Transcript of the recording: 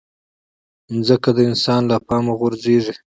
مځکه د انسان له پامه غورځيږي.